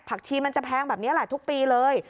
ชีมันจะแพงแบบนี้แหละทุกปีเลย